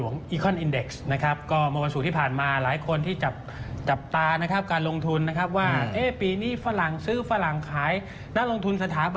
อัพเดทสวัสดีครับคุณกรอบรัฐชมทางบ้านนะครับคุณกรอบรัฐชมทางบ้านนะครับ